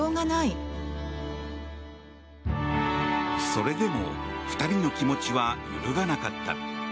それでも２人の気持ちは揺るがなかった。